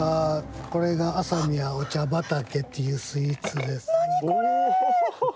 これが朝宮お茶畑というスイーツです。